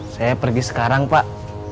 saya pergi sekarang pak